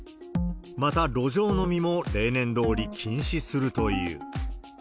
また、路上飲みも例年どおり禁止するという。